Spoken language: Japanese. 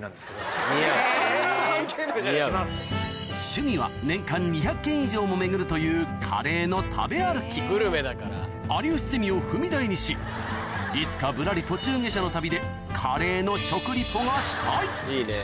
趣味は年間２００軒以上も巡るというカレーの食べ歩き『有吉ゼミ』を踏み台にしいつか『ぶらり途中下車の旅』でカレーの食リポがしたいいいね。